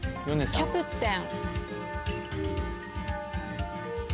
キャプテン。